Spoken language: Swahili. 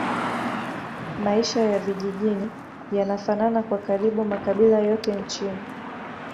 Maisha ya vijijini yanafanana kwa karibu makabila yote nchini